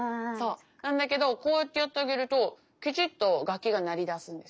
なんだけどこうやってやってあげるときちっと楽器が鳴りだすんです。